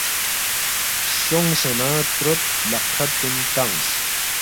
سونگسے نہ تروت لقفرت کُن تنگس